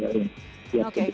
yang siap untuk